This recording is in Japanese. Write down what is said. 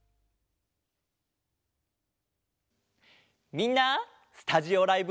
みんなスタジオライブ